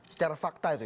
secara fakta itu ya